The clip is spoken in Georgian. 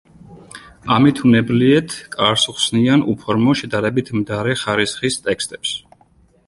ამით უნებლიეთ კარს უხსნიან უფორმო, შედარებით მდარე ხარისხის ტექსტებს.